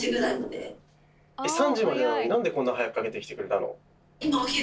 ３時までなのになんでこんな早くかけてきてくれたの？